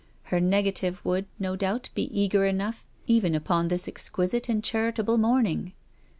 Her nega tive would, no doubt, be eager enough even upon this exquisite and charitable morning.